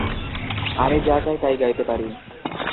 আমি যা চাই তাই গাইতে পারি।